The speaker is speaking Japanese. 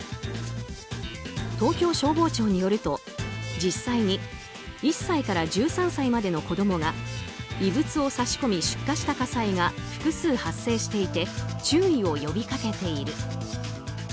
東京消防庁によると実際に１歳から１３歳までの子供が異物を差し込み出火した火災が複数発生していて注意を呼びかけている。